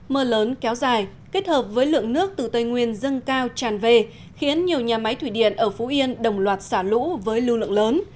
mưa lớn kéo dài kết hợp với lượng nước từ tây nguyên dâng cao tràn về khiến nhiều nhà máy thủy điện ở phú yên đồng loạt xả lũ với lưu lượng lớn